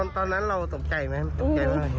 ตอนนั้นเราตกใจไหมครับ